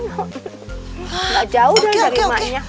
gak jauh dari rumahnya